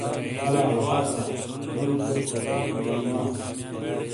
الا وہاب زا موجی چیک کچٹ تھے چینڈ وا۔